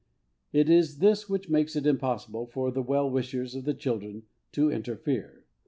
"It is this which makes it impossible for the well wishers of the children to interfere.